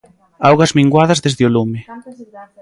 Augas minguadas desde o lume.